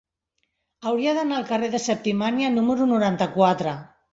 Hauria d'anar al carrer de Septimània número noranta-quatre.